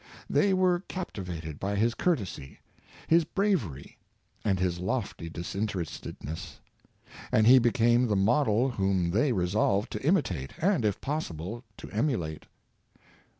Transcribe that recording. They were capti vated by his courtesy, his bravery, and his lofty disin terestedness; and he became the model whom they re solved to imitate, and, if possible, to emulate.